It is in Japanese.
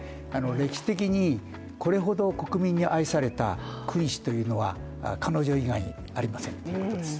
歴史的に、これほど国民に愛された君主というのは、彼女以外、ありませんということです。